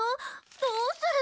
どうする？